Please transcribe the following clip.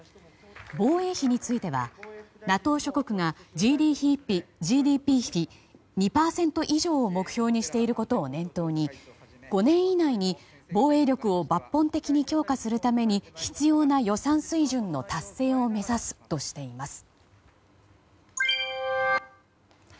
防衛費についてはＮＡＴＯ諸国がＧＤＰ比２％以上を目標にしていることを念頭に５年以内に防衛力を抜本的に強化するために必要な予算水準の達成を目指すとしています。